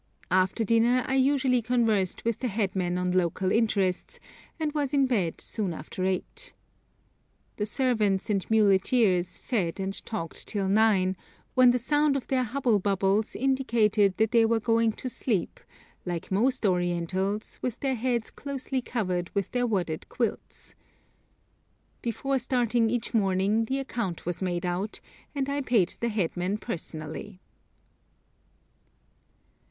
After dinner I usually conversed with the headman on local interests, and was in bed soon after eight. The servants and muleteers fed and talked till nine, when the sound of their 'hubble bubbles' indicated that they were going to sleep, like most Orientals, with their heads closely covered with their wadded quilts. Before starting each morning the account was made out, and I paid the headman personally.